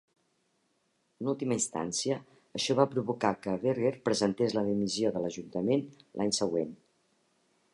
En última instància, això va provocar que Berger presentés la dimissió de l"ajuntament l"any següent.